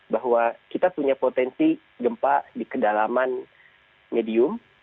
bahwa kita punya potensi gempa di kedalaman medium